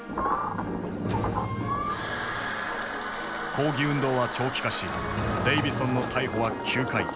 抗議運動は長期化しデイヴィソンの逮捕は９回。